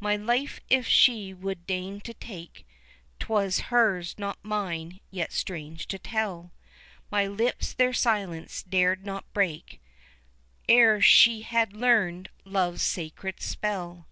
My life if she would deign to take 'Twas her's, not mine yet strange to tell My lips their silence dared not break, Ere she had learned love's sacred spell.